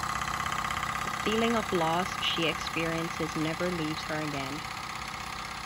The feeling of loss she experiences never leaves her again.